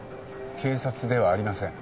警察ではありません。